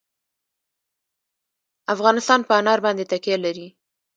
افغانستان په انار باندې تکیه لري.